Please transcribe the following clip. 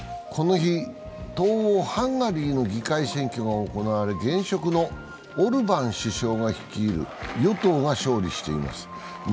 この日、東欧ハンガリーの議会選挙が行われ、現職のオルバン首相が率いる与党が勝利しています。